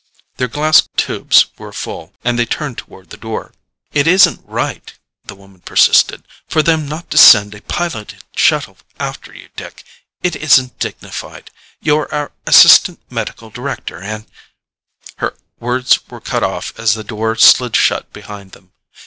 Their glass tubes were full, and they turned toward the door. "It isn't right," the woman persisted, "for them not to send a piloted shuttle after you, Dick. It isn't dignified. You're our assistant medical director and " Her words were cut off as the door slid shut behind them.